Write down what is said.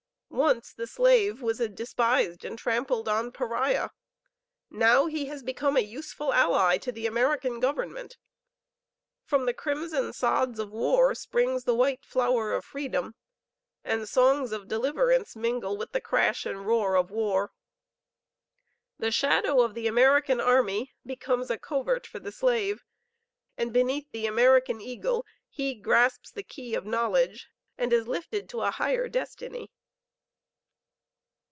Once the slave was a despised and trampled on pariah; now he has become a useful ally to the American government. From the crimson sods of war springs the white flower of freedom, and songs of deliverance mingle with the crash and roar of war. The shadow of the American army becomes a covert for the slave, and beneath the American Eagle he grasps the key of knowledge and is lifted to a higher destiny."